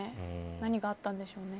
何があったんでしょうね。